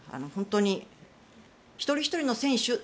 本当に一人ひとりの選手